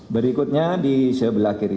berikutnya di sebelah kiri